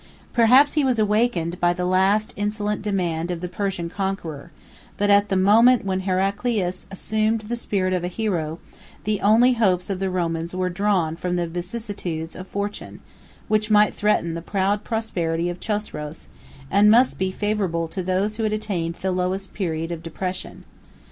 74 Perhaps he was awakened by the last insolent demand of the Persian conqueror; but at the moment when Heraclius assumed the spirit of a hero, the only hopes of the Romans were drawn from the vicissitudes of fortune, which might threaten the proud prosperity of Chosroes, and must be favorable to those who had attained the lowest period of depression.